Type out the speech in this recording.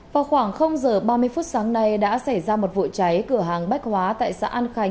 vào khoảng giờ ba mươi phút sáng nay đã xảy ra một vụ cháy cửa hàng bách hóa tại xã an khánh